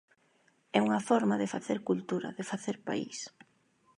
É unha forma de facer cultura, de facer país.